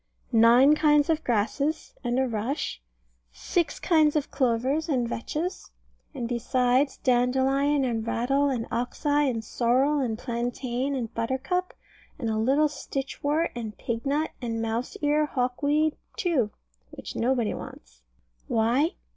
Nine kinds of grasses, and a rush. Six kinds of clovers and vetches; and besides, dandelion, and rattle, and oxeye, and sorrel, and plantain, and buttercup, and a little stitchwort, and pignut, and mouse ear hawkweed, too, which nobody wants. Why?